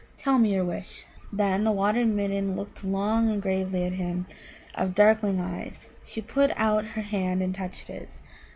Tell me your wish!" Then the Water midden looked long and gravely at him out of darkling eyes. She put out her hand and touched his.